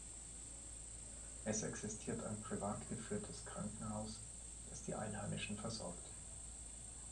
Es existiert ein privat geführtes Krankenhaus, das die Einheimischen versorgt.